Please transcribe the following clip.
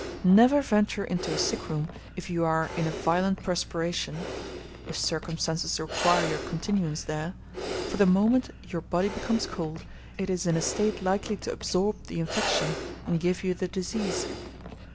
Never venture into a sick room if you are in a violent perspiration (if circumstances require your continuance there), for the moment your body becomes cold, it is in a state likely to absorb the infection, and give you the disease.